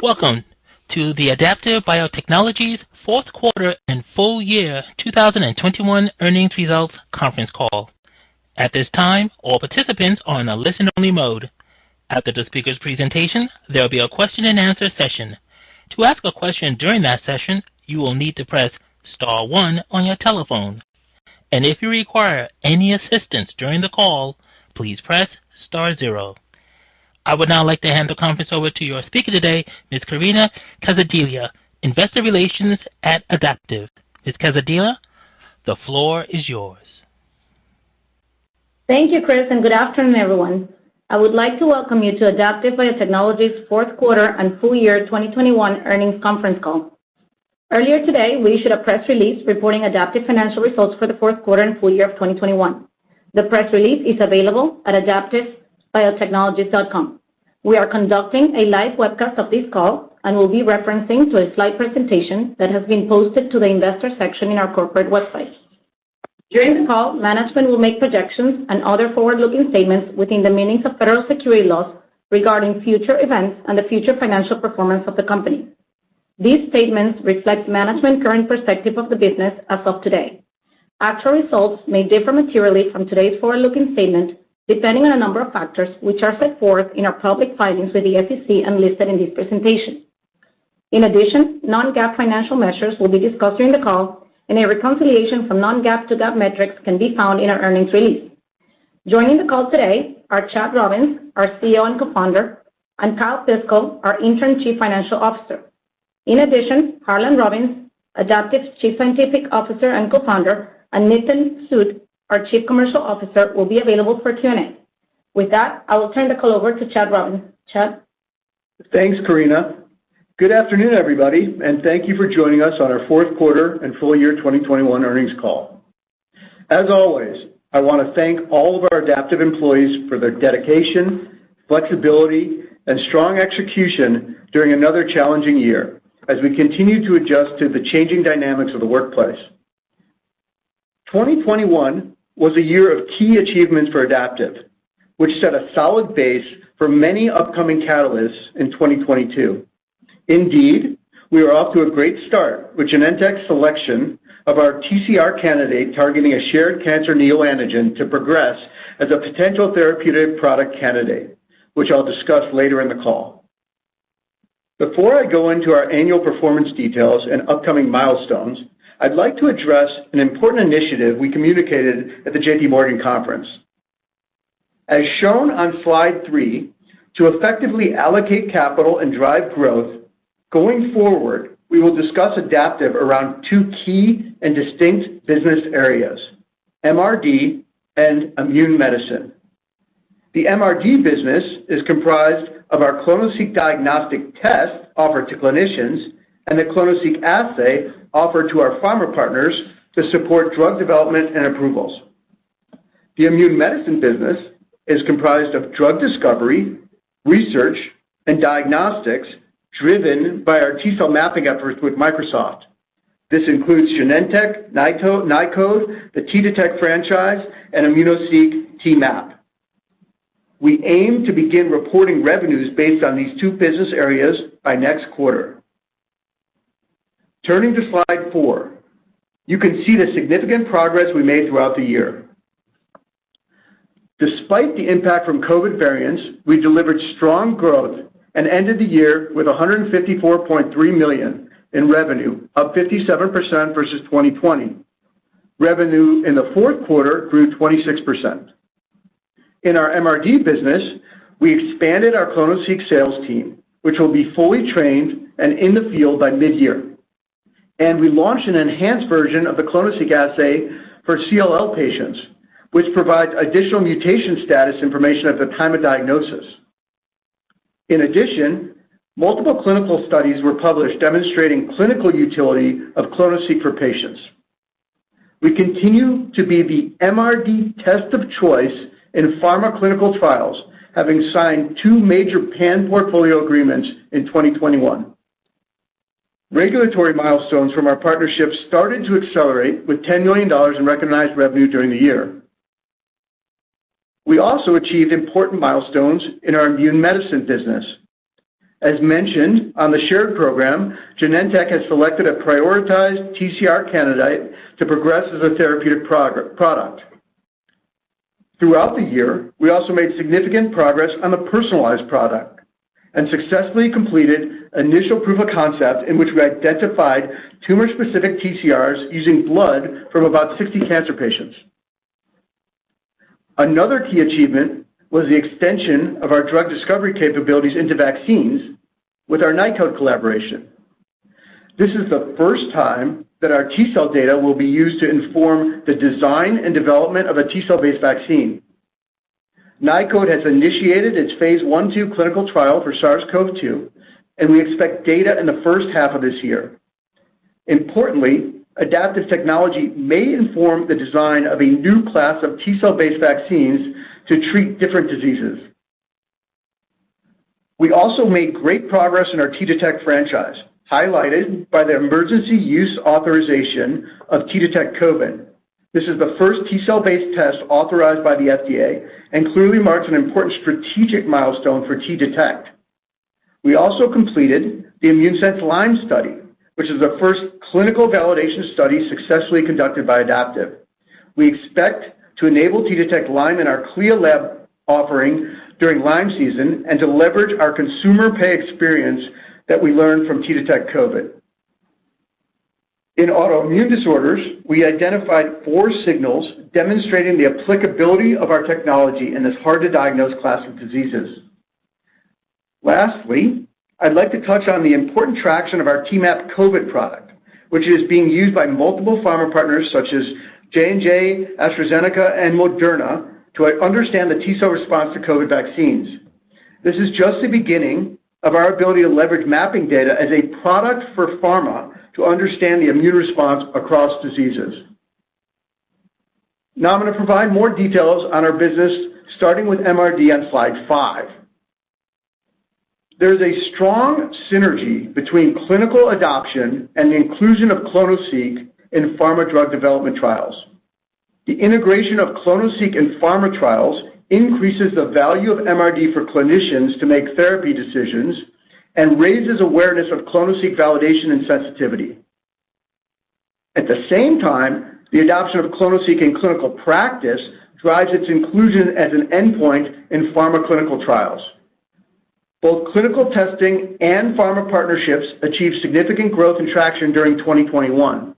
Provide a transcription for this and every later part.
Welcome to the Adaptive Biotechnologies fourth quarter and full-year 2021 earnings results conference call. At this time, all participants are in a listen-only mode. After the speakers presentation, there'll be a question and answer session. To ask a question during that session, you will need to press star one on your telephone, and if you require any assistance during the call, please press star zero. I would now like to hand the conference over to your speaker today, Ms. Karina Calzadilla, investor relations at Adaptive. Ms. Calzadilla, the floor is yours. Thank you, Chris, and good afternoon, everyone. I would like to welcome you to Adaptive Biotechnologies fourth quarter and full-year 2021 earnings conference call. Earlier today, we issued a press release reporting Adaptive's financial results for the fourth quarter and full year of 2021. The press release is available at adaptivebiotechnologies.com. We are conducting a live webcast of this call and will be referrencing to a slide presentation that has been posted to the Investor section in our corporate website. During the call, management will make projections and other forward-looking statements within the meanings of federal securities laws regarding future events and the future financial performance of the company. These statements reflect management's current perspective of the business as of today. Actual results may differ materially from today's forward-looking statement, depending on a number of factors, which are set forth in our public filings with the SEC and listed in this presentation. In addition, non-GAAP financial measures will be discussed during the call, and a reconciliation from non-GAAP to GAAP metrics can be found in our earnings release. Joining the call today are Chad Robins, our CEO and Co-founder, and Kyle Piskel, our Interim Chief Financial Officer. In addition, Harlan Robins, Adaptive's Chief Scientific Officer and Co-founder, and Nitin Sood, our Chief Commercial Officer, will be available for Q&A. With that, I will turn the call over to Chad Robins. Chad. Thanks, Karina. Good afternoon, everybody, and thank you for joining us on our fourth quarter and full-year 2021 earnings call. As always, I wanna thank all of our Adaptive employees for their dedication, flexibility, and strong execution during another challenging year as we continue to adjust to the changing dynamics of the workplace. 2021 was a year of key achievements for Adaptive, which set a solid base for many upcoming catalysts in 2022. Indeed, we are off to a great start with Genentech selection of our TCR candidate targeting a shared cancer neoantigen to progress as a potential therapeutic product candidate, which I'll discuss later in the call. Before I go into our annual performance details and upcoming milestones, I'd like to address an important initiative we communicated at the JPMorgan conference. As shown on slide three, to effectively allocate capital and drive growth, going forward, we will discuss Adaptive around two key and distinct business areas, MRD and immune medicine. The MRD business is comprised of our clonoSEQ diagnostic test offered to clinicians and the clonoSEQ assay offered to our pharma partners to support drug development and approvals. The immune medicine business is comprised of drug discovery, research, and diagnostics, driven by our T-cell mapping efforts with Microsoft. This includes Genentech, Nykode, the T-Detect franchise, and immunoSEQ T-MAP. We aim to begin reporting revenues based on these two business areas by next quarter. Turning to slide four. You can see the significant progress we made throughout the year. Despite the impact from COVID variants, we delivered strong growth and ended the year with $154.3 million in revenue, up 57% versus 2020. Revenue in the fourth quarter grew 26%. In our MRD business, we expanded our clonoSEQ sales team, which will be fully trained and in the field by mid-year. We launched an enhanced version of the clonoSEQ assay for CLL patients, which provides additional mutation status information at the time of diagnosis. In addition, multiple clinical studies were published demonstrating clinical utility of clonoSEQ for patients. We continue to be the MRD test of choice in pharma clinical trials, having signed two major pan-portfolio agreements in 2021. Regulatory milestones from our partnerships started to accelerate with $10 million in recognized revenue during the year. We also achieved important milestones in our immune medicine business. As mentioned on the shared program, Genentech has selected a prioritized TCR candidate to progress as a therapeutic product. Throughout the year, we also made significant progress on the personalized product and successfully completed initial proof of concept in which we identified tumor-specific TCRs using blood from about 60 cancer patients. Another key achievement was the extension of our drug discovery capabilities into vaccines with our Nykode collaboration. This is the first time that our T-cell data will be used to inform the design and development of a T-cell-based vaccine. Nykode has initiated its phase I/II clinical trial for SARS-CoV-2, and we expect data in the first half of this year. Importantly, Adaptive technology may inform the design of a new class of T-cell-based vaccines to treat different diseases. We also made great progress in our T-Detect franchise, highlighted by the emergency use authorization of T-Detect COVID. This is the first T-cell-based test authorized by the FDA and clearly marks an important strategic milestone for T-Detect. We also completed the ImmuneSense Lyme study, which is the first clinical validation study successfully conducted by Adaptive. We expect to enable T-Detect Lyme in our CLIA lab offering during Lyme season and to leverage our consumer pay experience that we learned from T-Detect COVID. In autoimmune disorders, we identified four signals demonstrating the applicability of our technology in this hard to diagnose class of diseases. Lastly, I'd like to touch on the important traction of our T-MAP COVID product, which is being used by multiple pharma partners such as J&J, AstraZeneca, and Moderna to understand the T-cell response to COVID vaccines. This is just the beginning of our ability to leverage mapping data as a product for pharma to understand the immune response across diseases. Now, I'm gonna provide more details on our business, starting with MRD on slide five. There is a strong synergy between clinical adoption and the inclusion of clonoSEQ in pharma drug development trials. The integration of clonoSEQ in pharma trials increases the value of MRD for clinicians to make therapy decisions and raises awareness of clonoSEQ validation and sensitivity. At the same time, the adoption of clonoSEQ in clinical practice drives its inclusion as an endpoint in pharma clinical trials. Both clinical testing and pharma partnerships achieved significant growth and traction during 2021.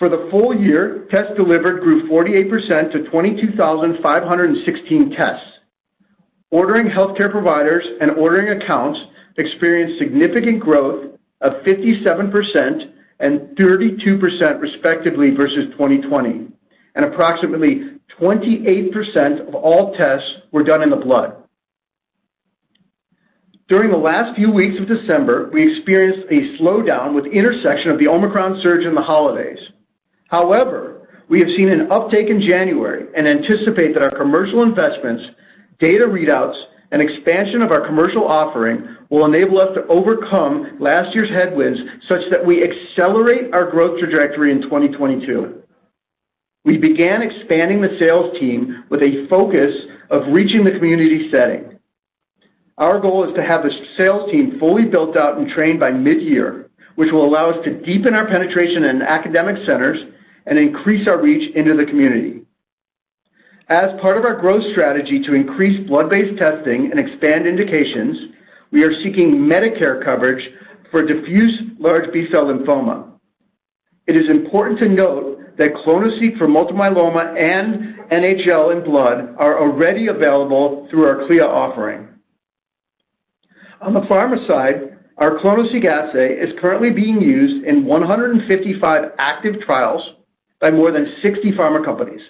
For the full year, tests delivered grew 48% to 22,516 tests. Ordering healthcare providers and ordering accounts experienced significant growth of 57% and 32% respectively versus 2020, and approximately 28% of all tests were done in the blood. During the last few weeks of December, we experienced a slowdown with the intersection of the Omicron surge and the holidays. However, we have seen an uptake in January and anticipate that our commercial investments, data readouts, and expansion of our commercial offering will enable us to overcome last year's headwinds, such that we accelerate our growth trajectory in 2022. We began expanding the sales team with a focus of reaching the community setting. Our goal is to have the sales team fully built out and trained by mid-year, which will allow us to deepen our penetration in academic centers and increase our reach into the community. As part of our growth strategy to increase blood-based testing and expand indications, we are seeking Medicare coverage for diffuse large B-cell lymphoma. It is important to note that clonoSEQ for multiple myeloma and NHL in blood are already available through our CLIA offering. On the pharma side, our clonoSEQ assay is currently being used in 155 active trials by more than 60 pharma companies.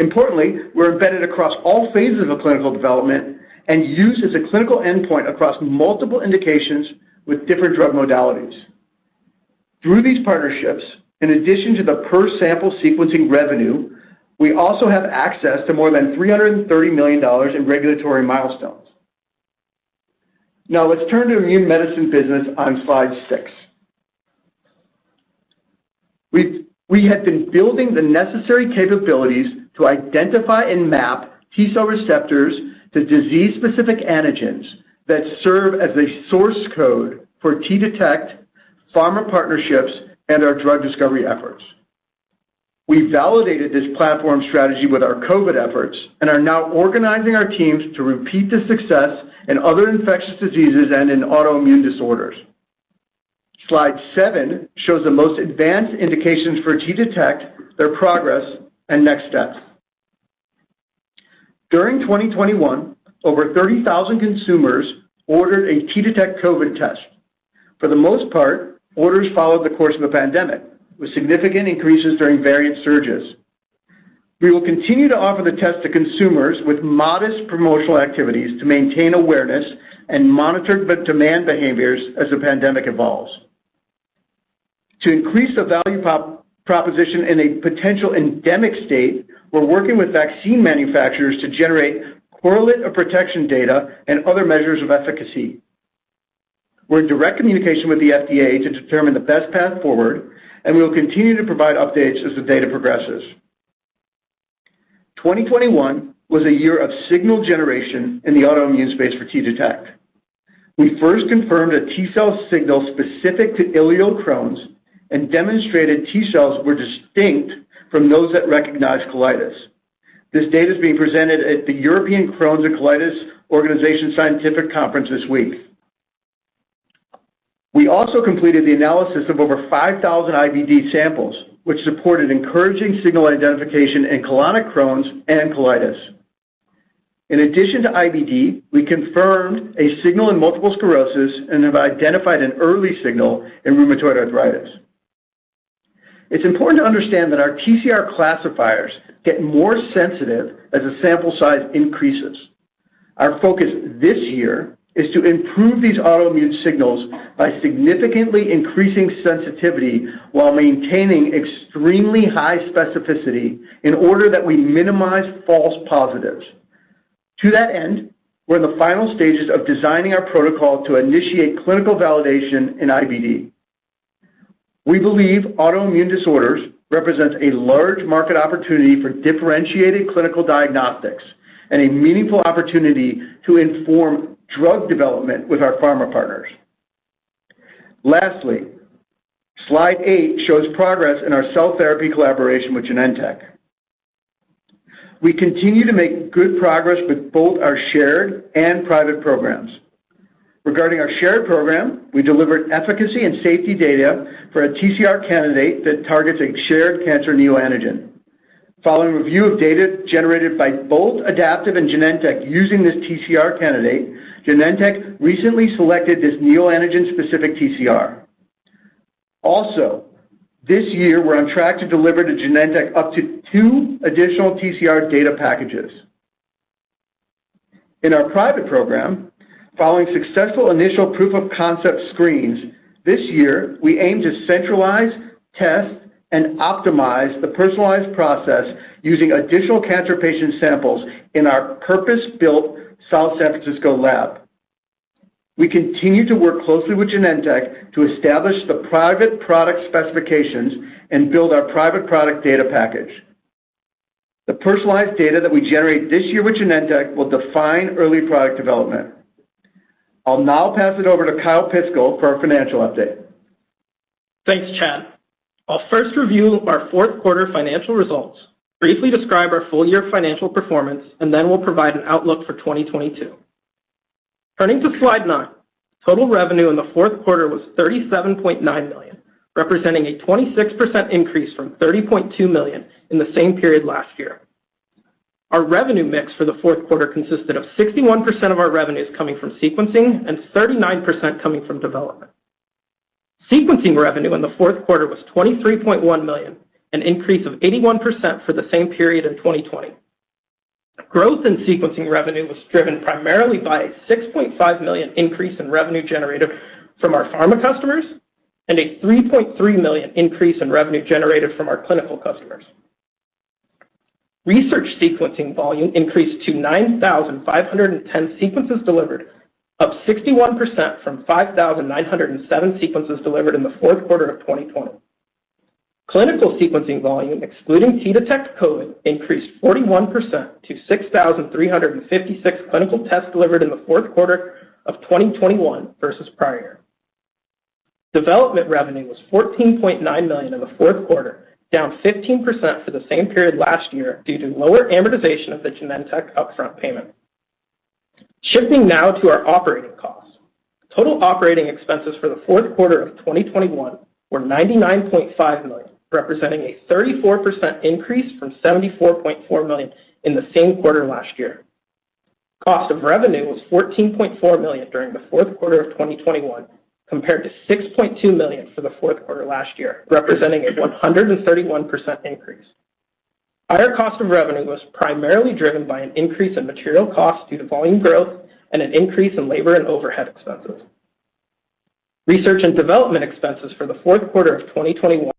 Importantly, we're embedded across all phases of clinical development and used as a clinical endpoint across multiple indications with different drug modalities. Through these partnerships, in addition to the per-sample sequencing revenue, we also have access to more than $330 million in regulatory milestones. Now let's turn to immune medicine business on slide six. We had been building the necessary capabilities to identify and map T-cell receptors to disease-specific antigens that serve as a source code for T-Detect, pharma partnerships, and our drug discovery efforts. We validated this platform strategy with our COVID efforts and are now organizing our teams to repeat the success in other infectious diseases and in autoimmune disorders. Slide seven shows the most advanced indications for T-Detect, their progress, and next steps. During 2021, over 30,000 consumers ordered a T-Detect COVID test. For the most part, orders followed the course of the pandemic, with significant increases during variant surges. We will continue to offer the test to consumers with modest promotional activities to maintain awareness and monitor the demand behaviors as the pandemic evolves. To increase the value proposition in a potential endemic state, we're working with vaccine manufacturers to generate correlates of protection data and other measures of efficacy. We're in direct communication with the FDA to determine the best path forward, and we will continue to provide updates as the data progresses. 2021 was a year of signal generation in the autoimmune space for T-Detect. We first confirmed a T-cell signal specific to ileal Crohn's and demonstrated T-cells were distinct from those that recognize colitis. This data is being presented at the European Crohn's and Colitis Organization scientific conference this week. We also completed the analysis of over 5,000 IBD samples, which supported encouraging signal identification in colonic Crohn's and colitis. In addition to IBD, we confirmed a signal in multiple sclerosis and have identified an early signal in rheumatoid arthritis. It's important to understand that our PCR classifiers get more sensitive as the sample size increases. Our focus this year is to improve these autoimmune signals by significantly increasing sensitivity while maintaining extremely high specificity in order that we minimize false positives. To that end, we're in the final stages of designing our protocol to initiate clinical validation in IBD. We believe autoimmune disorders represent a large market opportunity for differentiated clinical diagnostics and a meaningful opportunity to inform drug development with our pharma partners. Lastly, slide eight shows progress in our cell therapy collaboration with Genentech. We continue to make good progress with both our shared and private programs. Regarding our shared program, we delivered efficacy and safety data for a TCR candidate that targets a shared cancer neoantigen. Following review of data generated by both Adaptive and Genentech using this TCR candidate, Genentech recently selected this neoantigen-specific TCR. Also, this year, we're on track to deliver to Genentech up to two additional TCR data packages. In our private program, following successful initial proof of concept screens, this year, we aim to centralize, test, and optimize the personalized process using additional cancer patient samples in our purpose-built South San Francisco lab. We continue to work closely with Genentech to establish the private product specifications and build our private product data package. The personalized data that we generate this year with Genentech will define early product development. I'll now pass it over to Kyle Piskel for our financial update. Thanks, Chad. I'll first review our fourth quarter financial results, briefly describe our full-year financial performance, and then we'll provide an outlook for 2022. Turning to slide nine, total revenue in the fourth quarter was $37.9 million, representing a 26% increase from $30.2 million in the same period last year. Our revenue mix for the fourth quarter consisted of 61% of our revenues coming from sequencing and 39% coming from development. Sequencing revenue in the fourth quarter was $23.1 million, an increase of 81% for the same period in 2020. Growth in sequencing revenue was driven primarily by a $6.5 million increase in revenue generated from our pharma customers and a $3.3 million increase in revenue generated from our clinical customers. Research sequencing volume increased to 9,510 sequences delivered, up 61% from 5,907 sequences delivered in the fourth quarter of 2020. Clinical sequencing volume, excluding T-Detect COVID, increased 41% to 6,356 clinical tests delivered in the fourth quarter of 2021 versus prior. Development revenue was $14.9 million in the fourth quarter, down 15% for the same period last year due to lower amortization of the Genentech upfront payment. Shifting now to our operating costs. Total operating expenses for the fourth quarter of 2021 were $99.5 million, representing a 34% increase from $74.4 million in the same quarter last year. Cost of revenue was $14.4 million during the fourth quarter of 2021, compared to $6.2 million for the fourth quarter last year, representing a 131% increase. Higher cost of revenue was primarily driven by an increase in material costs due to volume growth and an increase in labor and overhead expenses. Research and development expenses for the fourth quarter of 2021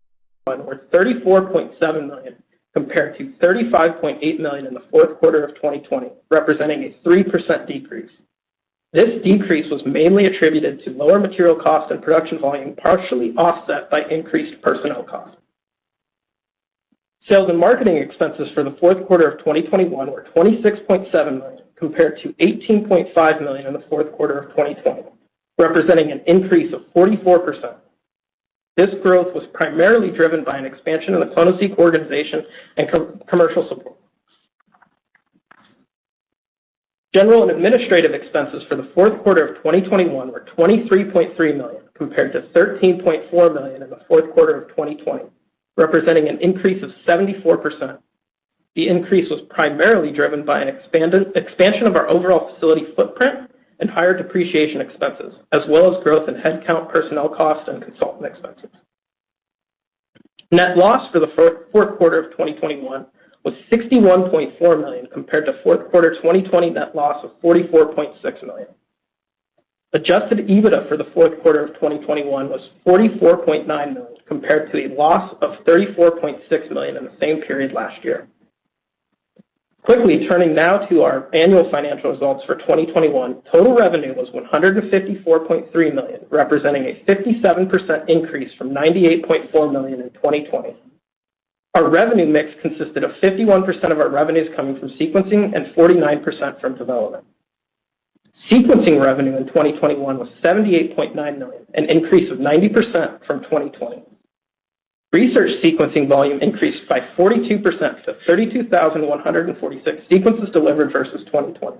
were $34.7 million, compared to $35.8 million in the fourth quarter of 2020, representing a 3% decrease. This decrease was mainly attributed to lower material costs and production volume, partially offset by increased personnel costs. Sales and marketing expenses for the fourth quarter of 2021 were $26.7 million, compared to $18.5 million in the fourth quarter of 2020, representing an increase of 44%. This growth was primarily driven by an expansion of the clonoSEQ organization and commercial support. General and administrative expenses for the fourth quarter of 2021 were $23.3 million, compared to $13.4 million in the fourth quarter of 2020, representing an increase of 74%. The increase was primarily driven by an expansion of our overall facility footprint and higher depreciation expenses, as well as growth in headcount, personnel costs, and consultant expenses. Net loss for the fourth quarter of 2021 was $61.4 million, compared to fourth quarter 2020 net loss of $44.6 million. Adjusted EBITDA for the fourth quarter of 2021 was $44.9 million, compared to a loss of $34.6 million in the same period last year. Quickly turning now to our annual financial results for 2021, total revenue was $154.3 million, representing a 57% increase from $98.4 million in 2020. Our revenue mix consisted of 51% of our revenues coming from sequencing and 49% from development. Sequencing revenue in 2021 was $78.9 million, an increase of 90% from 2020. Research sequencing volume increased by 42% to 32,146 sequences delivered versus 2020.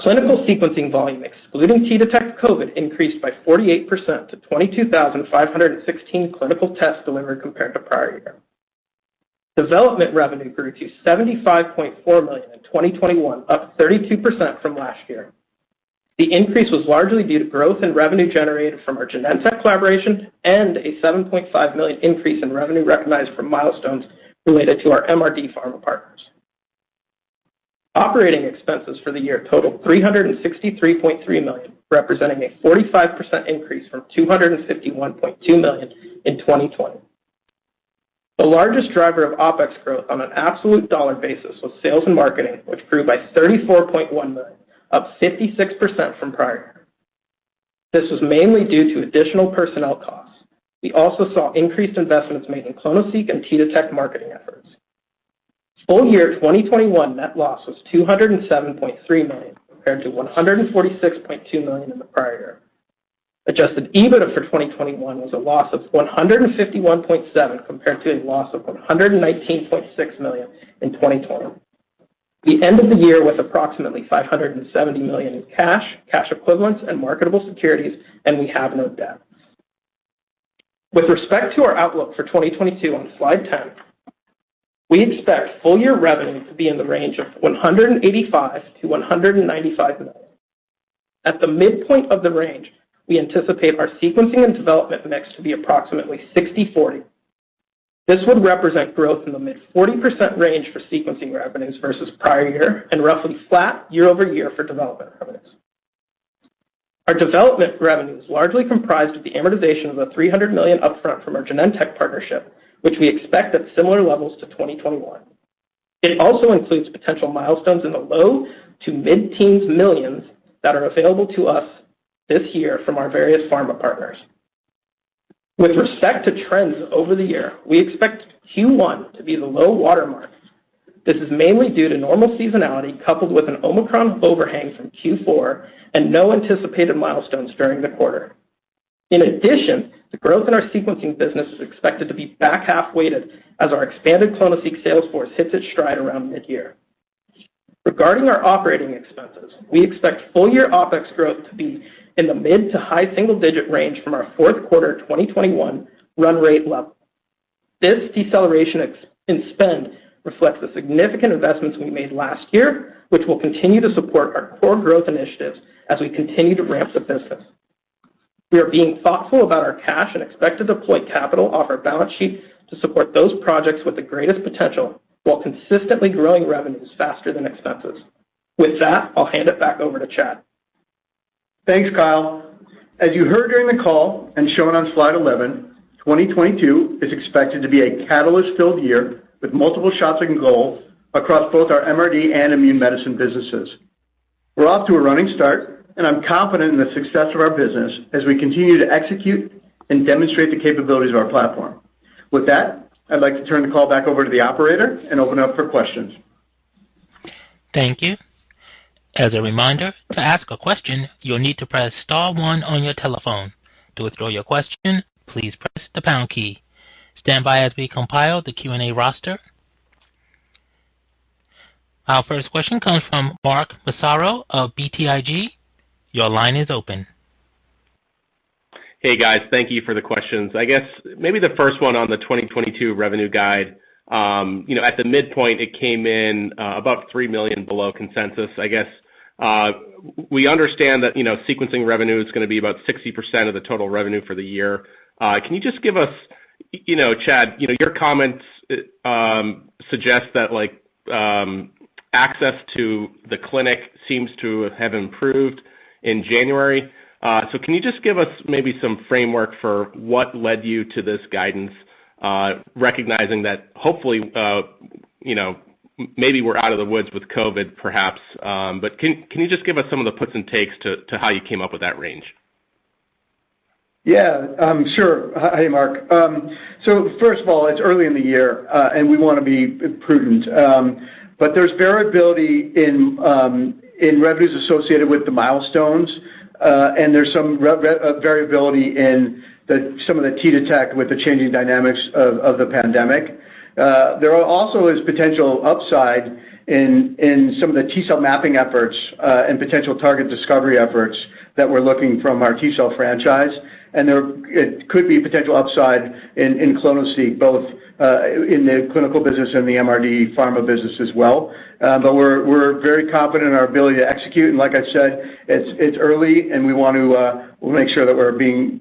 Clinical sequencing volume, excluding T-Detect COVID, increased by 48% to 22,516 clinical tests delivered compared to prior year. Development revenue grew to $75.4 million in 2021, up 32% from last year. The increase was largely due to growth in revenue generated from our Genentech collaboration and a $7.5 million increase in revenue recognized from milestones related to our MRD pharma partners. Operating expenses for the year totaled $363.3 million, representing a 45% increase from $251.2 million in 2020. The largest driver of OpEx growth on an absolute dollar basis was sales and marketing, which grew by $34.1 million, up 56% from prior year. This was mainly due to additional personnel costs. We also saw increased investments made in clonoSEQ and T-Detect marketing efforts. Full-year 2021 net loss was $207.3 million, compared to $146.2 million in the prior year. Adjusted EBITDA for 2021 was a loss of $151.7 million, compared to a loss of $119.6 million in 2020. We ended the year with approximately $570 million in cash equivalents and marketable securities, and we have no debt. With respect to our outlook for 2022 on slide 10, we expect full-year revenue to be in the range of $185 million-$195 million. At the midpoint of the range, we anticipate our sequencing and development mix to be approximately 60/40. This would represent growth in the mid-40% range for sequencing revenues versus prior year and roughly flat year-over-year for development revenues. Our development revenue is largely comprised of the amortization of the $300 million upfront from our Genentech partnership, which we expect at similar levels to 2021. It also includes potential milestones in the low- to mid-teens millions that are available to us this year from our various pharma partners. With respect to trends over the year, we expect Q1 to be the low watermark. This is mainly due to normal seasonality, coupled with an Omicron overhang from Q4 and no anticipated milestones during the quarter. In addition, the growth in our sequencing business is expected to be back-half weighted as our expanded clonoSEQ sales force hits its stride around mid-year. Regarding our operating expenses, we expect full-year OpEx growth to be in the mid- to high-single-digit range from our fourth quarter 2021 run rate level. This deceleration in spend reflects the significant investments we made last year, which will continue to support our core growth initiatives as we continue to ramp the business. We are being thoughtful about our cash and expect to deploy capital off our balance sheet to support those projects with the greatest potential, while consistently growing revenues faster than expenses. With that, I'll hand it back over to Chad. Thanks, Kyle. As you heard during the call and shown on slide 11, 2022 is expected to be a catalyst-filled year with multiple shots on goal across both our MRD and immune medicine businesses. We're off to a running start, and I'm confident in the success of our business as we continue to execute and demonstrate the capabilities of our platform. With that, I'd like to turn the call back over to the operator and open up for questions. Thank you. As a reminder, to ask a question, you'll need to press star one on your telephone. To withdraw your question, please press the pound key. Stand by as we compile the Q&A roster. Our first question comes from Mark Massaro of BTIG. Your line is open. Hey, guys. Thank you for the questions. I guess maybe the first one on the 2022 revenue guide, you know, at the midpoint, it came in about $3 million below consensus. I guess we understand that, you know, sequencing revenue is gonna be about 60% of the total revenue for the year. Can you just give us you know, Chad, you know, your comments suggest that, like, access to the clinic seems to have improved in January. So can you just give us maybe some framework for what led you to this guidance, recognizing that hopefully, you know, maybe we're out of the woods with COVID, perhaps, but can you just give us some of the puts and takes to how you came up with that range? Yeah, sure. Hey, Mark. First of all, it's early in the year, and we want to be prudent. There's variability in revenues associated with the milestones, and there's some revenue variability in some of the T-Detect with the changing dynamics of the pandemic. There also is potential upside in some of the T-cell mapping efforts, and potential target discovery efforts that we're looking from our T-cell franchise, and it could be potential upside in clonoSEQ, both in the clinical business and the MRD pharma business as well. We're very confident in our ability to execute, and like I said, it's early, and we'll make sure that we're being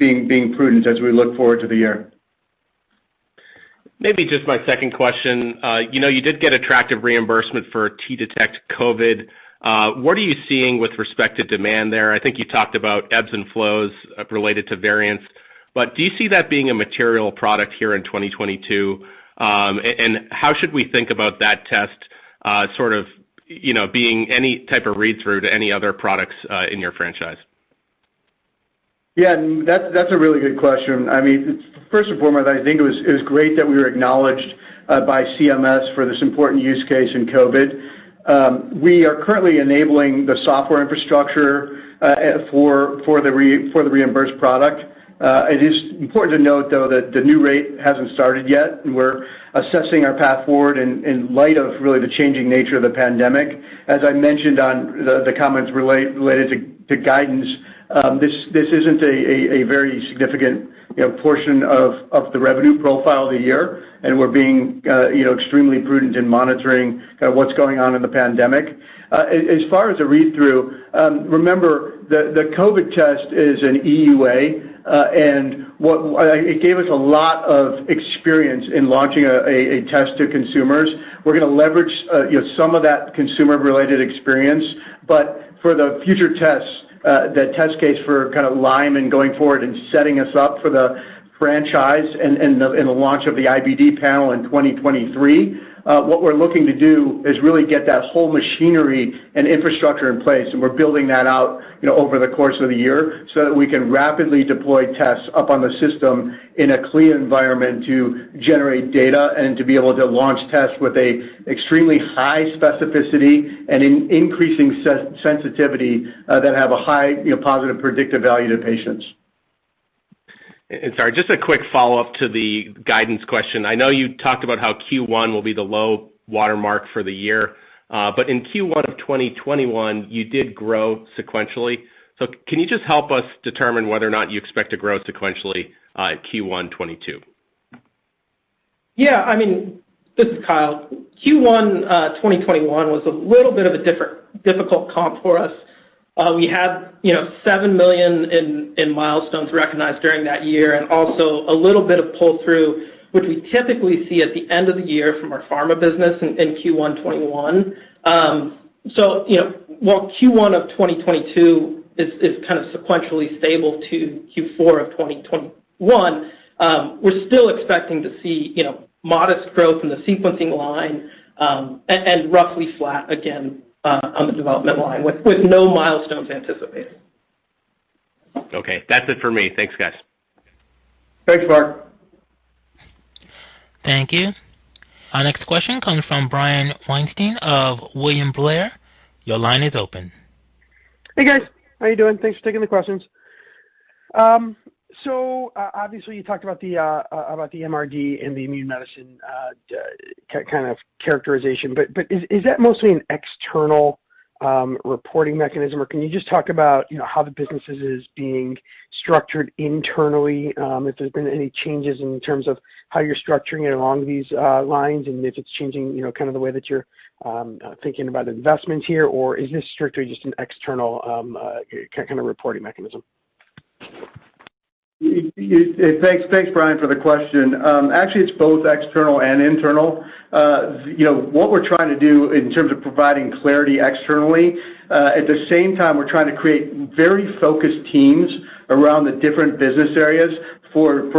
prudent as we look forward to the year. Maybe just my second question. You know, you did get attractive reimbursement for T-Detect COVID. What are you seeing with respect to demand there? I think you talked about ebbs and flows related to variants, but do you see that being a material product here in 2022? And how should we think about that test, sort of, you know, being any type of read-through to any other products in your franchise? Yeah, that's a really good question. I mean, first and foremost, I think it was great that we were acknowledged by CMS for this important use case in COVID. We are currently enabling the software infrastructure for the reimbursed product. It is important to note, though, that the new rate hasn't started yet. We're assessing our path forward in light of really the changing nature of the pandemic. As I mentioned on the comments related to guidance, this isn't a very significant, you know, portion of the revenue profile of the year, and we're being, you know, extremely prudent in monitoring kind of what's going on in the pandemic. As far as a read-through, remember that the COVID test is an EUA, and what... It gave us a lot of experience in launching a test to consumers. We're gonna leverage you know some of that consumer-related experience, but for the future tests, the test case for kind of Lyme and going forward and setting us up for the franchise and the launch of the IBD panel in 2023, what we're looking to do is really get that whole machinery and infrastructure in place, and we're building that out you know over the course of the year so that we can rapidly deploy tests up on the system in a CLIA environment to generate data and to be able to launch tests with an extremely high specificity and increasing sensitivity that have a high you know positive predictive value to patients. Sorry, just a quick follow-up to the guidance question. I know you talked about how Q1 will be the low watermark for the year. In Q1 of 2021, you did grow sequentially. Can you just help us determine whether or not you expect to grow sequentially in Q1 2022? Yeah. I mean. This is Kyle. Q1 2021 was a little bit of a difficult comp for us. We had, you know, $7 million in milestones recognized during that year and also a little bit of pull-through, which we typically see at the end of the year from our pharma business in Q1 2021. So, you know, while Q1 of 2022 is kind of sequentially stable to Q4 of 2021, we're still expecting to see, you know, modest growth in the sequencing line, and roughly flat again on the development line with no milestones anticipated. Okay. That's it for me. Thanks, guys. Thanks, Mark. Thank you. Our next question comes from Brian Weinstein of William Blair. Your line is open. Hey, guys. How are you doing? Thanks for taking the questions. Obviously, you talked about the MRD and the immune medicine kind of characterization. Is that mostly an external reporting mechanism or can you just talk about, you know, how the business is being structured internally, if there's been any changes in terms of how you're structuring it along these lines and if it's changing, you know, kind of the way that you're thinking about investment here or is this strictly just an external kind of reporting mechanism? Thanks, Brian for the question. Actually it's both external and internal. You know, what we're trying to do in terms of providing clarity externally, at the same time we're trying to create very focused teams around the different business areas for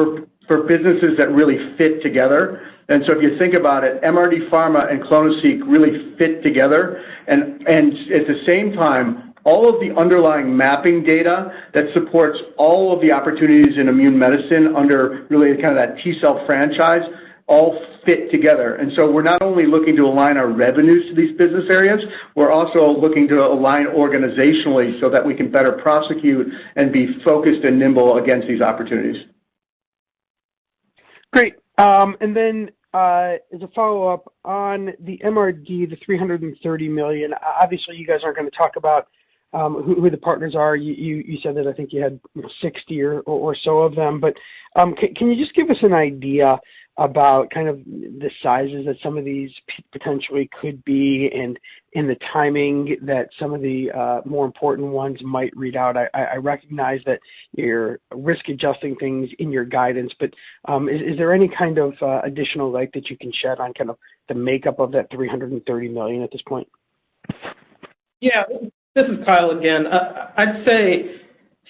businesses that really fit together. If you think about it, MRD pharma and clonoSEQ really fit together and at the same time all of the underlying mapping data that supports all of the opportunities in immune medicine under really kind of that T-cell franchise all fit together. We're not only looking to align our revenues to these business areas, we're also looking to align organizationally so that we can better prosecute and be focused and nimble against these opportunities. Great. As a follow-up on the MRD, the $330 million, obviously you guys aren't gonna talk about who the partners are. You said that I think you had 60 or so of them, but can you just give us an idea about kind of the sizes that some of these potentially could be and the timing that some of the more important ones might read out? I recognize that you're risk adjusting things in your guidance, but is there any kind of additional light that you can shed on kind of the makeup of that $330 million at this point? Yeah. This is Kyle again. I'd say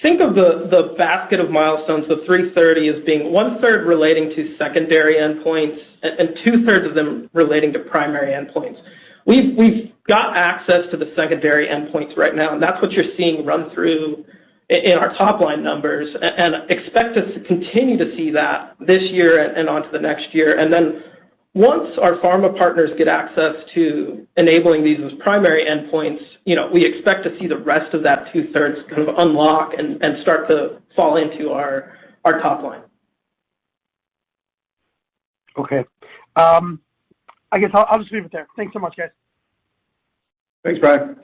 think of the basket of milestones, the $330 million as being 1/3 relating to secondary endpoints and 2/3 of them relating to primary endpoints. We've got access to the secondary endpoints right now and that's what you're seeing run through in our top line numbers and expect us to continue to see that this year and on to the next year. Once our pharma partners get access to enabling these as primary endpoints, you know, we expect to see the rest of that two thirds kind of unlock and start to fall into our top line. Okay. I guess I'll just leave it there. Thanks so much, guys. Thanks, Brian.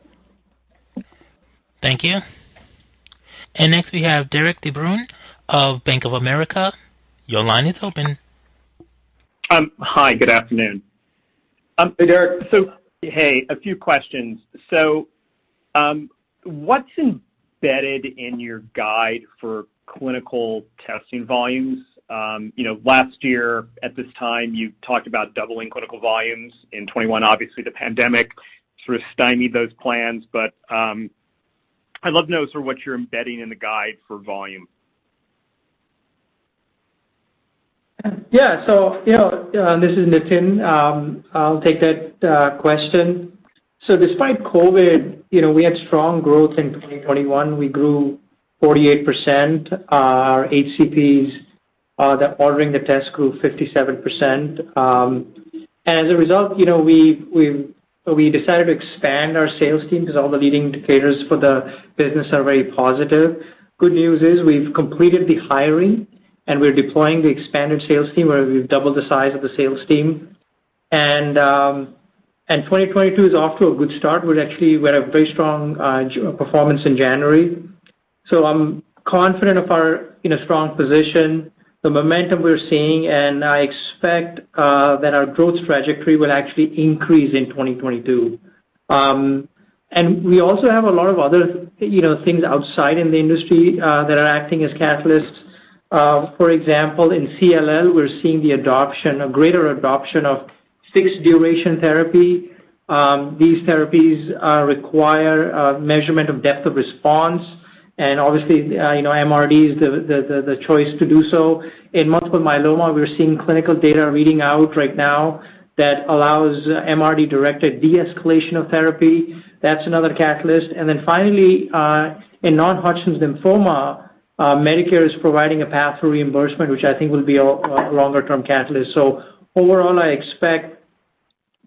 Thank you. Next we have Derik de Bruin of Bank of America. Your line is open. Hi, good afternoon. Hey, Derik. Hey, a few questions. What's embedded in your guide for clinical testing volumes? You know, last year at this time you talked about doubling clinical volumes. In 2021 obviously the pandemic sort of stymied those plans. I'd love to know sort of what you're embedding in the guide for volume. Yeah, you know, this is Nitin. I'll take that question. Despite COVID, you know, we had strong growth in 2021. We grew 48%, our HCPs that are ordering the test grew 57%. As a result, you know, we've decided to expand our sales team because all the leading indicators for the business are very positive. Good news is we've completed the hiring and we're deploying the expanded sales team where we've doubled the size of the sales team. 2022 is off to a good start. We had a very strong performance in January, so I'm confident of our strong position, the momentum we're seeing and I expect that our growth trajectory will actually increase in 2022. We also have a lot of other, you know, things outside in the industry that are acting as catalysts. For example, in CLL we're seeing the adoption, a greater adoption of fixed duration therapy. These therapies require measurement of depth of response and obviously, you know, MRD is the choice to do so. In multiple myeloma we're seeing clinical data reading out right now that allows MRD directed de-escalation of therapy. That's another catalyst. Then finally, in non-Hodgkin's lymphoma, Medicare is providing a path for reimbursement which I think will be a longer term catalyst. Overall I expect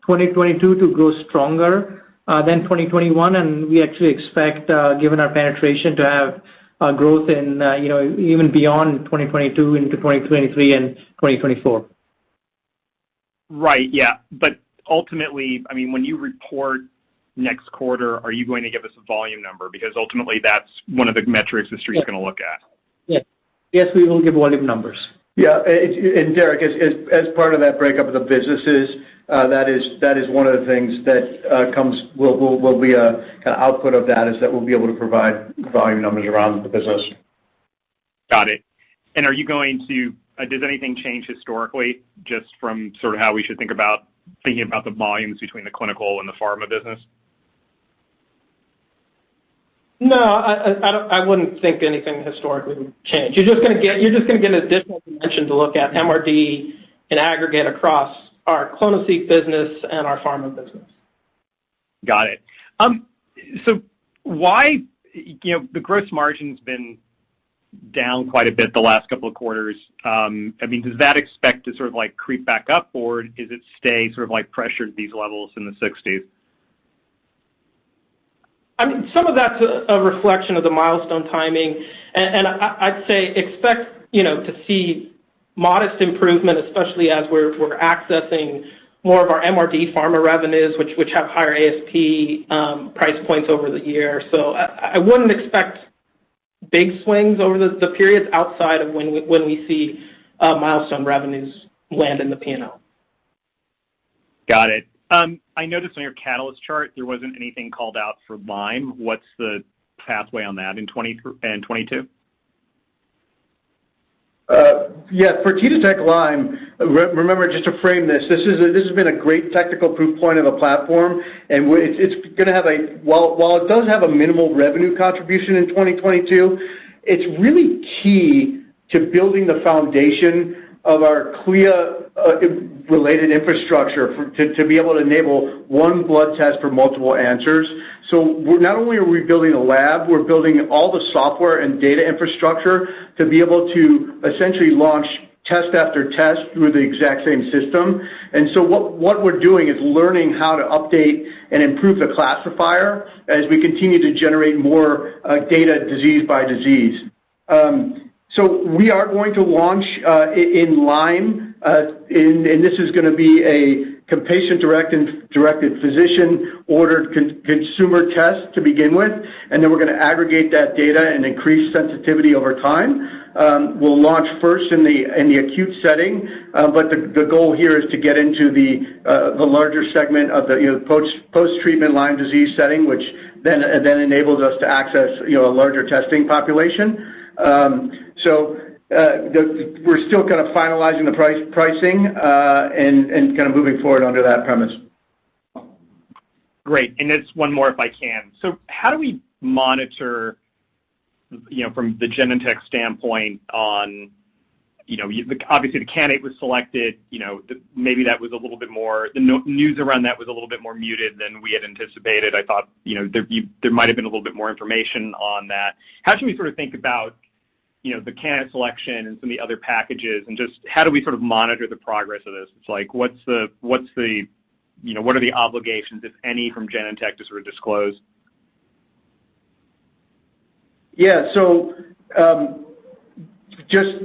2022 to grow stronger than 2021, and we actually expect, given our penetration, to have growth in, you know, even beyond 2022 into 2023 and 2024. Right. Yeah. Ultimately, I mean, when you report next quarter, are you going to give us a volume number? Because ultimately, that's one of the metrics the street's gonna look at. Yes. Yes, we will give volume numbers. Yeah, Derek, as part of that breakup of the businesses, that is one of the things that will be a kind of output of that, is that we'll be able to provide volume numbers around the business. Does anything change historically just from sort of how we should think about thinking about the volumes between the clinical and the pharma business? No. I wouldn't think anything historically would change. You're just gonna get an additional dimension to look at MRD in aggregate across our clonoSEQ business and our pharma business. Got it. Why, you know, the gross margin's been down quite a bit the last couple of quarters. I mean, do you expect to sort of like creep back up, or does it stay sort of like pressured at these levels in the 60s%? I mean, some of that's a reflection of the milestone timing. I'd say expect, you know, to see modest improvement, especially as we're accessing more of our MRD pharma revenues, which have higher ASP price points over the year. I wouldn't expect big swings over the periods outside of when we see milestone revenues land in the P&L. Got it. I noticed on your catalyst chart there wasn't anything called out for Lyme. What's the pathway on that in 2023 and 2022? Yeah. For T-Detect Lyme, remember, just to frame this has been a great technical proof point of the platform, and it's gonna have a. While it does have a minimal revenue contribution in 2022, it's really key to building the foundation of our CLIA related infrastructure to be able to enable one blood test for multiple answers. Not only are we building a lab, we're building all the software and data infrastructure to be able to essentially launch test after test through the exact same system. What we're doing is learning how to update and improve the classifier as we continue to generate more data disease by disease. We are going to launch in Lyme, and this is gonna be a patient-directed physician-ordered consumer test to begin with, and then we're gonna aggregate that data and increase sensitivity over time. We'll launch first in the acute setting, but the goal here is to get into the larger segment of the, you know, post-treatment Lyme disease setting, which then enables us to access, you know, a larger testing population. We're still kind of finalizing the pricing, and kind of moving forward under that premise. Great. Just one more, if I can. How do we monitor, you know, from the Genentech standpoint on, you know, Obviously the candidate was selected. You know, maybe that was a little bit more. The news around that was a little bit more muted than we had anticipated. I thought, you know, there might have been a little bit more information on that. How should we sort of think about, you know, the candidate selection and some of the other packages and just how do we sort of monitor the progress of this? It's like, what's the, you know, what are the obligations, if any, from Genentech to sort of disclose? Yeah. Just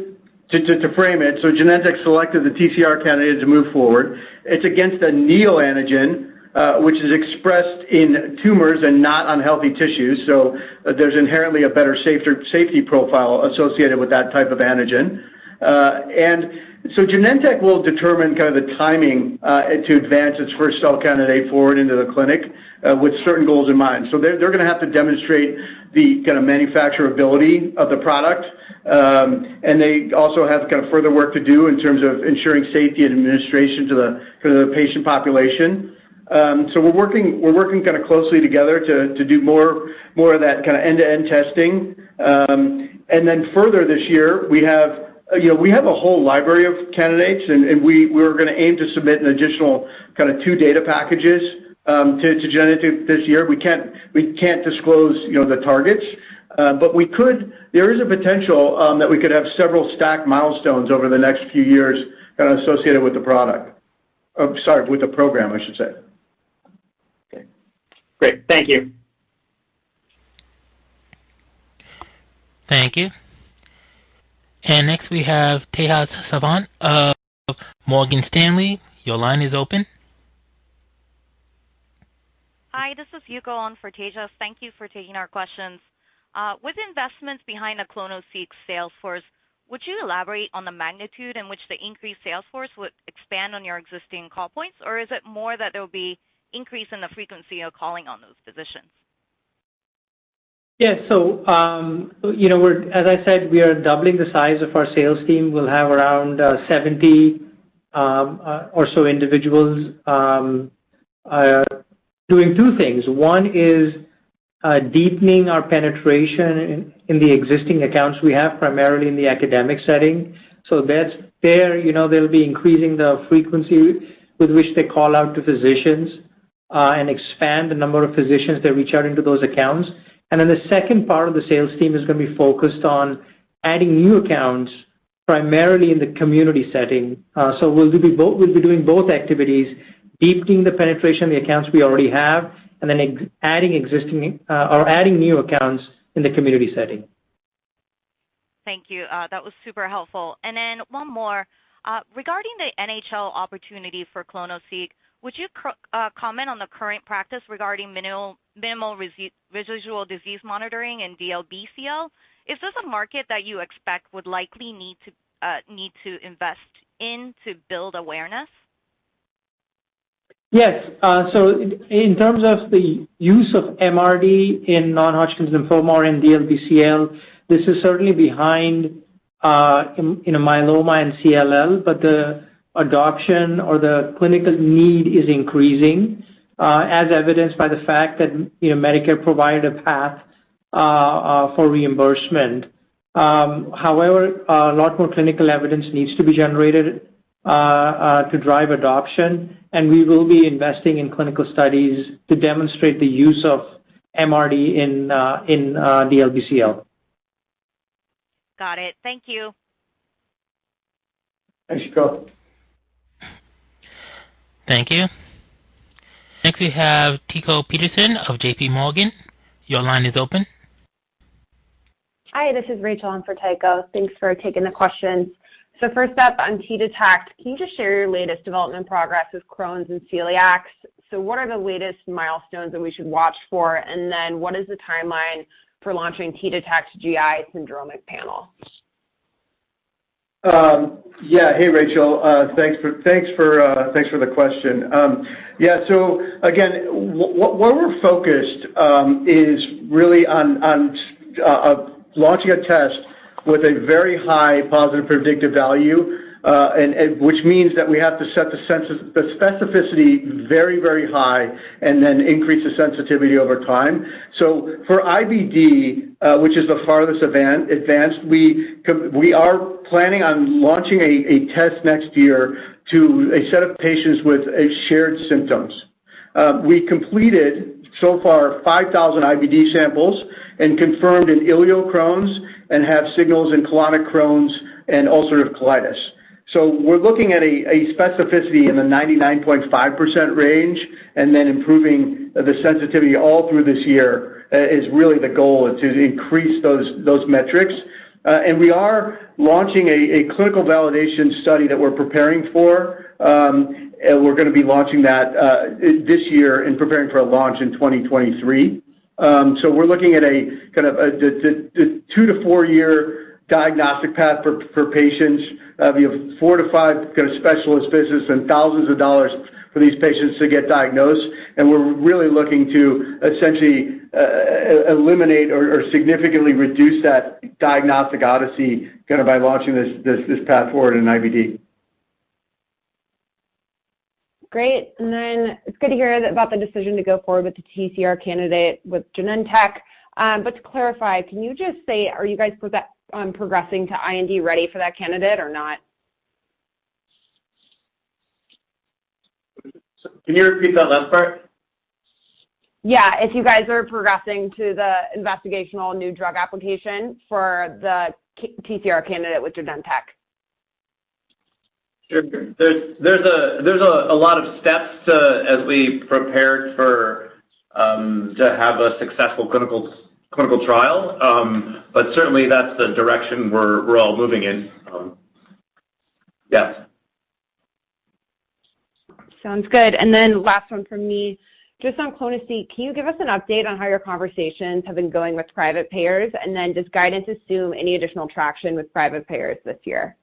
to frame it, Genentech selected the TCR candidate to move forward. It's against a neoantigen, which is expressed in tumors and not on healthy tissues, so there's inherently a better, safer safety profile associated with that type of antigen. Genentech will determine kind of the timing to advance its first cell candidate forward into the clinic, with certain goals in mind. They're gonna have to demonstrate the kind of manufacturability of the product, and they also have kind of further work to do in terms of ensuring safety and administration for the patient population. We're working kinda closely together to do more of that kinda end-to-end testing. Further this year, we have, you know, we have a whole library of candidates and we're gonna aim to submit an additional kinda two data packages to Genentech this year. We can't disclose, you know, the targets, but we could. There is a potential that we could have several stacked milestones over the next few years kind of associated with the product, sorry, with the program, I should say. Okay. Great. Thank you. Thank you. Next, we have Tejas Savant of Morgan Stanley. Your line is open. Hi, this is Yuko on for Tejas. Thank you for taking our questions. With investments behind the clonoSEQ sales force, would you elaborate on the magnitude in which the increased sales force would expand on your existing call points, or is it more that there will be increase in the frequency of calling on those physicians? Yeah. As I said, we are doubling the size of our sales team. We'll have around 70 or so individuals doing two things. One is deepening our penetration in the existing accounts we have, primarily in the academic setting. That's there. You know, they'll be increasing the frequency with which they call out to physicians and expand the number of physicians that reach out into those accounts. The second part of the sales team is gonna be focused on adding new accounts primarily in the community setting. We'll be doing both activities, deepening the penetration of the accounts we already have, and then adding new accounts in the community setting. Thank you. That was super helpful. Then one more. Regarding the NHL opportunity for clonoSEQ, would you comment on the current practice regarding minimal residual disease monitoring in DLBCL? Is this a market that you expect would likely need to invest in to build awareness? Yes. In terms of the use of MRD in non-Hodgkin's lymphoma or in DLBCL, this is certainly behind in myeloma and CLL, but the adoption or the clinical need is increasing, as evidenced by the fact that, you know, Medicare provided a path for reimbursement. However, a lot more clinical evidence needs to be generated to drive adoption, and we will be investing in clinical studies to demonstrate the use of MRD in DLBCL. Got it. Thank you. Thanks, Yuko. Thank you. Next, we have Tycho Peterson of JPMorgan. Your line is open. Hi, this is Rachel in for Tycho. Thanks for taking the questions. First up, on T-Detect, can you just share your latest development progress with Crohn's and Celiac? What are the latest milestones that we should watch for? Then what is the timeline for launching T-Detect GI syndromic panel? Yeah. Hey, Rachel. Thanks for the question. Yeah. Again, what we're focused on is really on launching a test with a very high positive predictive value, and which means that we have to set the specificity very, very high and then increase the sensitivity over time. For IBD, which is the farthest advanced, we are planning on launching a test next year to a set of patients with shared symptoms. We completed so far 5,000 IBD samples and confirmed in ileal Crohn's and have signals in colonic Crohn's and ulcerative colitis. We're looking at a specificity in the 99.5% range, and then improving the sensitivity all through this year is really the goal to increase those metrics. We are launching a clinical validation study that we're preparing for, and we're gonna be launching that this year and preparing for a launch in 2023. We're looking at kind of a two to four-year diagnostic path for patients. We have four to five kind of specialist visits and thousands of dollars for these patients to get diagnosed, and we're really looking to essentially eliminate or significantly reduce that diagnostic odyssey kind of by launching this path forward in IBD. Great. It's good to hear about the decision to go forward with the TCR candidate with Genentech. To clarify, can you just say, are you guys progressing to IND ready for that candidate or not? Can you repeat that last part? Yeah. If you guys are progressing to the investigational new drug application for the TCR candidate with Genentech? Sure. There's a lot of steps, too, as we prepared for to have a successful clinical trial. Certainly, that's the direction we're all moving in. Yes. Sounds good. Last one from me. Just on clonoSEQ, can you give us an update on how your conversations have been going with private payers? Just guidance to assume any additional traction with private payers this year.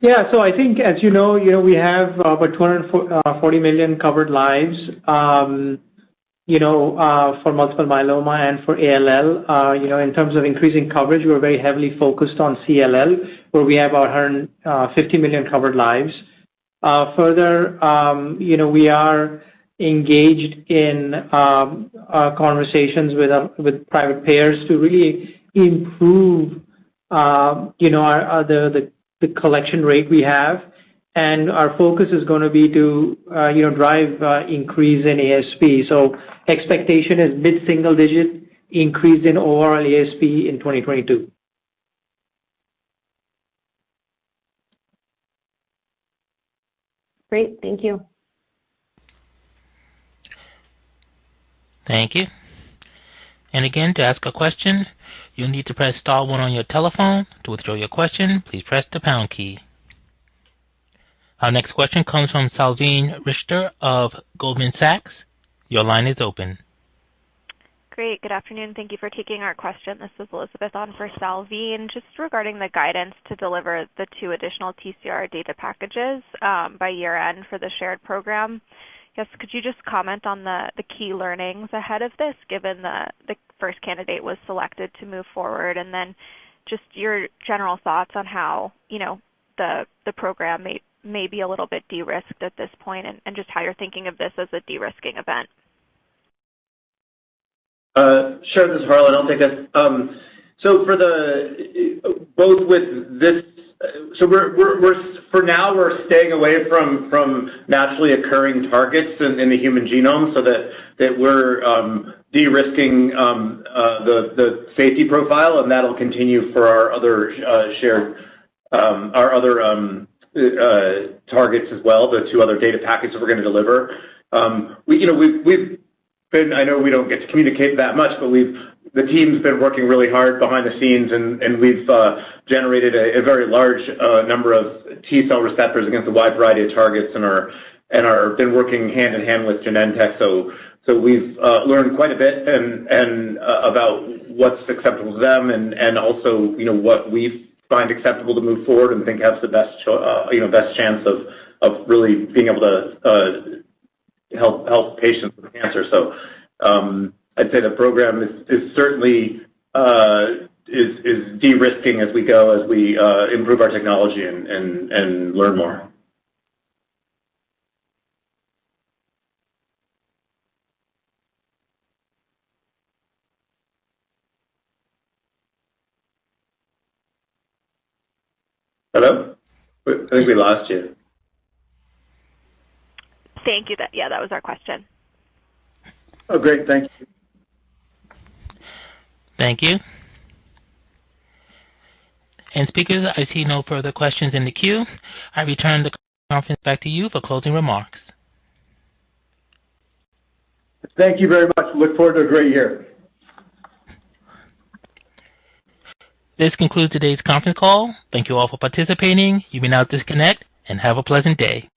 Yeah. I think as you know, you know, we have about 240 million covered lives, you know, for multiple myeloma and for ALL. You know, in terms of increasing coverage, we're very heavily focused on CLL, where we have 150 million covered lives. Further, you know, we are engaged in conversations with private payers to really improve, you know, the collection rate we have. Our focus is gonna be to, you know, drive increase in ASP. Expectation is mid-single digit increase in overall ASP in 2022. Great. Thank you. Thank you. Again, to ask a question, you need to press star one on your telephone. To withdraw your question, please press the pound key. Our next question comes from Salveen Richter of Goldman Sachs. Your line is open. Good afternoon. Thank you for taking our question. This is Elizabeth on for Salveen. Just regarding the guidance to deliver the two additional TCR data packages by year-end for the shared program, I guess could you just comment on the key learnings ahead of this given the first candidate was selected to move forward? Just your general thoughts on how the program may be a little bit de-risked at this point, and just how you're thinking of this as a de-risking event. Sure. This is Harlan. I'll take that. We're for now staying away from naturally occurring targets in the human genome so that we're de-risking the safety profile, and that'll continue for our other targets as well, the two other data packages we're gonna deliver. You know, I know we don't get to communicate that much, but the team's been working really hard behind the scenes, and we've generated a very large number of T-cell receptors against a wide variety of targets and have been working hand in hand with Genentech. We've learned quite a bit about what's acceptable to them and also, you know, what we find acceptable to move forward and think has the best chance of really being able to help patients with cancer. I'd say the program is certainly de-risking as we go as we improve our technology and learn more. Hello? I think we lost you. Thank you. Yeah, that was our question. Oh, great. Thank you. Thank you. Speakers, I see no further questions in the queue. I return the conference back to you for closing remarks. Thank you very much. I look forward to a great year. This concludes today's conference call. Thank you all for participating. You may now disconnect and have a pleasant day.